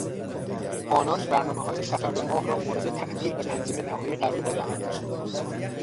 آنان برنامههای سفر به ماه را مورد تعدیل و تنظیم نهایی قرار دادند.